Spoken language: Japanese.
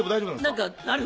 何かある？